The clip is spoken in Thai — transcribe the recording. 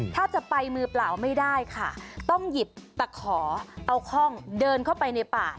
ถ้าจะไปมือเปล่าไม่ได้ค่ะต้องหยิบตะขอเอาคล่องเดินเข้าไปในป่า